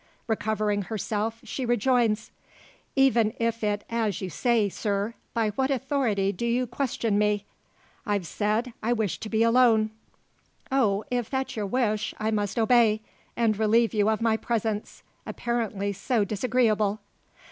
Recovering herself, she rejoins, "Even were it as you say, sir, by what authority do you question me? I've said I wish to be alone." "Oh, if that's your wish, I must obey, and relieve you of my presence, apparently so disagreeable."